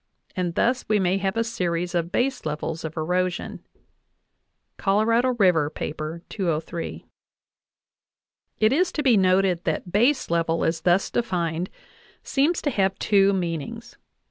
. and thus we may have a series of base levels of erosion" (Colorado River, 203). It is to be noted that baselevel as thus defined seems to have two meanings.